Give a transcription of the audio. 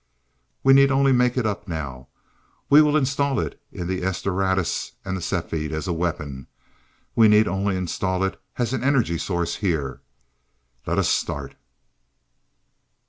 "We need only make it up now. We will install it in the 'S Doradus' and the 'Cepheid' as a weapon. We need only install it as an energy source here. Let us start."